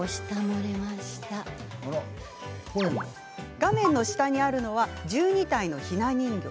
画面の下にあるのは１２体のひな人形。